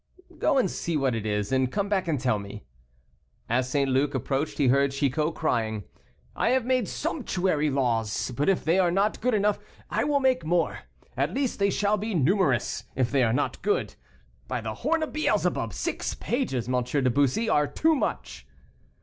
"Go and see what it is, and come back and tell me." As St. Luc approached he heard Chicot crying: "I have made sumptuary laws, but if they are not enough I will make more; at least they shall be numerous, if they are not good. By the horn of Beelzebub, six pages, M. de Bussy, are too much."